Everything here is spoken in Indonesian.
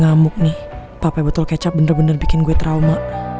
ngamuk nih papa betul kecap bener bener bikin gue trauma